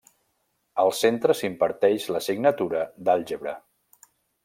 Al centre s'imparteix l'assignatura d'àlgebra.